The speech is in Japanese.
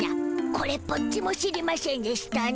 これっぽっちも知りましぇんでしたな。